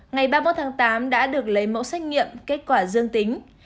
ngày ba mươi một tháng tám đã được lấy mẫu xét nghiệm kết quả dương tính